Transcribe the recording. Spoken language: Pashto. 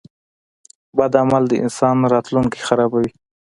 • بد عمل د انسان راتلونکی خرابوي.